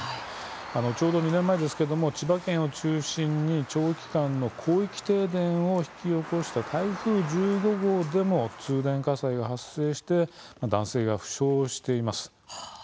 ちょうど２年前、千葉県を中心に長期間の広域停電を引き起こした台風１５号でも通電火災が発生し男性が負傷しています。